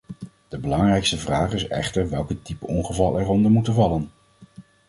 De belangrijkste vraag is echter welke typen ongeval eronder moeten vallen.